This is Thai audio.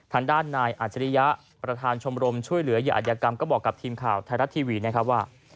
ทางด้านนายอาจริยะประธานชมรมช่วยเหลืออัธยกรรมก็บอกกับทีมข่าวไทยรัฐทีวีนะครับว่า